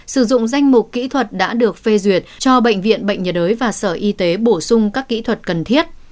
sử dụng danh mục kỹ thuật đã được phê duyệt cho bệnh viện bệnh nhiệt đới và sở y tế bổ sung các kỹ thuật cần thiết